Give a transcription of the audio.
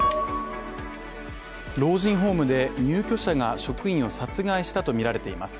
老人ホームで入居者が職員を殺害したとみられています